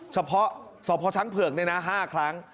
เฉพาะสอบพอชั้นเผือกได้นะ๕ครั้ง